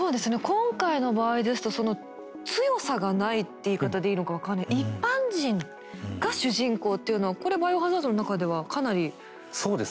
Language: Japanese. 今回の場合ですと「強さがない」って言い方でいいのか分かんない「一般人」が主人公っていうのはこれ「バイオハザード」の中ではかなり珍しいといいますか。